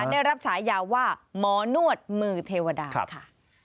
ได้รับฉายาว่าหมอนวดมือเทวดาค่ะ